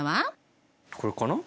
これかな？